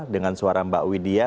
dengan suara mbak widya